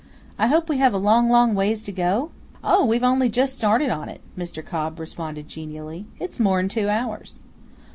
I hope we have a long, long ways to go?" "Oh! we've only just started on it," Mr. Cobb responded genially; "it's more 'n two hours."